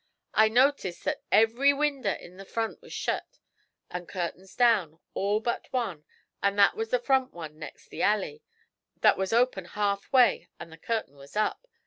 I noticed that every winder in the front was shet, and the curtains down, all but one, and that was the front one next the alley; that was open half way and the curtain was up.